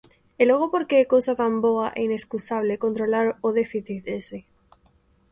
E logo por que é cousa tan boa e inescusable controlar o déficit ese?